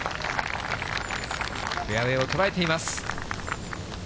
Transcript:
フェアウエーを捉えています。